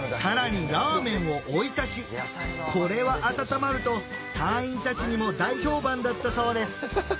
さらにラーメンを追い足しこれは温まると隊員たちにも大評判だったそうです